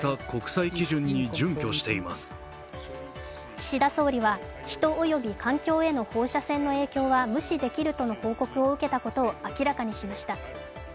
岸田総理は人及び環境への放射線の影響は無視できるとの報告を受けたことを明らかにしました。